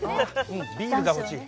ビールが欲しい。